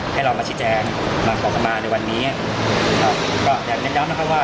ให้เรามาชี้แจงมาขอคำมาในวันนี้ครับก็อยากเน้นย้ำนะครับว่า